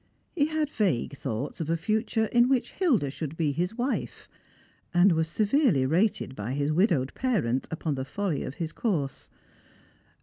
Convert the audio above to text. He had vague thoughts of a future in which Hilda should be his wife ; and was severely rated by his widowed parent upon the folly of his course.